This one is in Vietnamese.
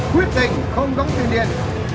quyết định không đóng tiền điện